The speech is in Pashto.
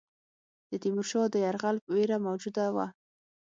د تیمورشاه د یرغل وېره موجوده وه.